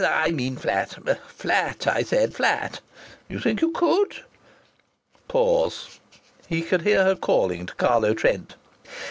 I mean flat. Flat! I said flat. You think you could?" Pause. He could hear her calling to Carlo Trent.